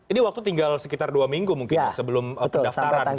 ini waktu tinggal sekitar dua minggu mungkin ya sebelum pendaftaran